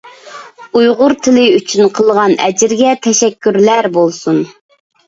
ئۇيغۇر تىلى ئۈچۈن قىلغان ئەجرىگە تەشەككۈرلەر بولسۇن!